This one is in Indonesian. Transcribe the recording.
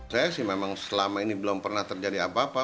saya sih memang selama ini belum pernah terjadi apa apa